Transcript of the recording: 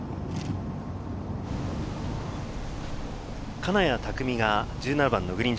金谷拓実が１７番のグリーン上。